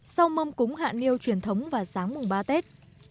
sau mâm cúng hạ niêu truyền thống vào sáng mùng ba tết